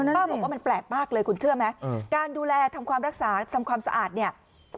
ป้าบอกว่ามันแปลกมากเลยคุณเชื่อไหมการดูแลทำความรักษาทำความสะอาดเนี่ย